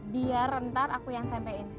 biar ntar aku yang sampein